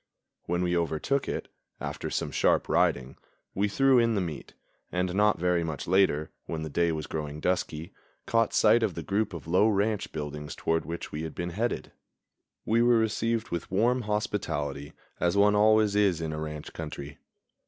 When we overtook it, after some sharp riding, we threw in the meat, and not very much later, when the day was growing dusky, caught sight of the group of low ranch buildings toward which we had been headed. We were received with warm hospitality, as one always is in a ranch country.